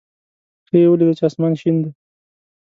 ښه یې ولېده چې اسمان شین دی.